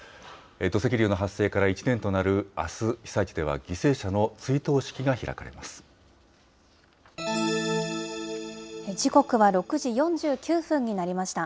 土石流の発生から１年となるあす、被災地では犠牲者の追悼式が開か時刻は６時４９分になりました。